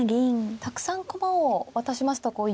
たくさん駒を渡しますと１四桂の。